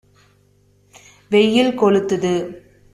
வெயில் கொளுத்துது